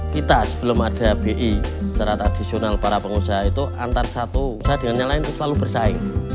kita sebelum ada bi secara tradisional para pengusaha itu antara satu usaha dengan yang lain itu selalu bersaing